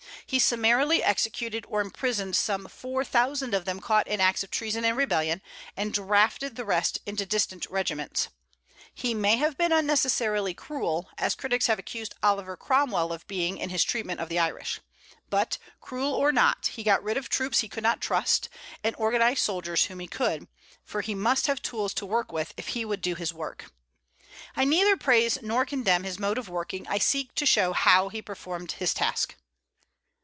He summarily executed or imprisoned some four thousand of them caught in acts of treason and rebellion, and drafted the rest into distant regiments. He may have been unnecessarily cruel, as critics have accused Oliver Cromwell of being in his treatment of the Irish. But, cruel or not, he got rid of troops he could not trust, and organized soldiers whom he could, for he must have tools to work with if he would do his work. I neither praise nor condemn his mode of working; I seek to show how he performed his task.